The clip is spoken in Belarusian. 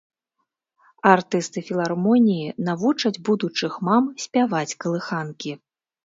Артысты філармоніі навучаць будучых мам спяваць калыханкі.